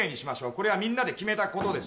これはみんなで決めたことです。